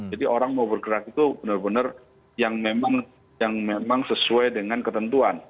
jadi orang mau bergerak itu benar benar yang memang sesuai dengan ketentuan